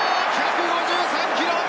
１５３キロ！